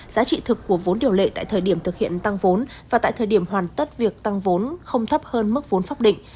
giá trị thực của vốn điều lệ tại thời điểm thực hiện tăng vốn và tại thời điểm hoàn tất việc tăng vốn không thấp hơn mức vốn pháp định